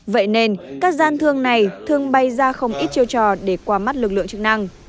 vậy nên các gian thương này thường bay ra không ít chiêu trò để qua mắt lực lượng chức năng